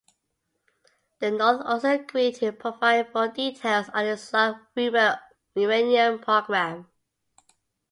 The North also agreed to provide full details on its long-rumored uranium program.